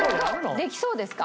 できそうですか？